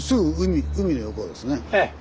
ええ。